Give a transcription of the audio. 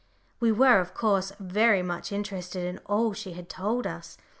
We were, of course, very much interested in all she had told us.